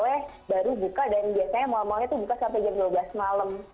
lagi lagi baru buka dan biasanya mall mallnya tuh buka sampai jam dua belas malam